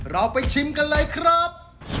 เราไปชิมกันเลยครับ